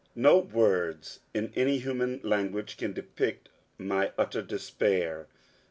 No words in any human language can depict my utter despair.